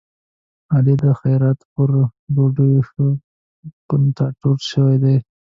علي د خیرات په ډوډيو ښه کوناټور شوی دی.